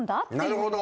なるほど。